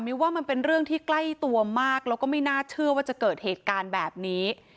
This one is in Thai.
ว่ามันเป็นเรื่องที่ใกล้ตัวมากแล้วก็ไม่น่าเชื่อว่าจะเกิดเหตุการณ์แบบนี้